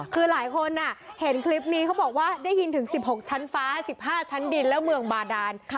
คือหลายคนเห็นคลิปนี้เขาบอกว่าได้ยินถึง๑๖ชั้นฟ้า๑๕ชั้นดินและเมืองบาดาน